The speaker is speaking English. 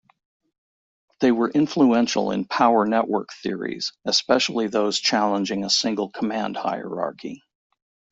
They were influential in power network theories, especially those challenging a single command hierarchy.